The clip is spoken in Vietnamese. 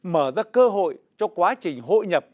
mở ra cơ hội cho quá trình hội nhập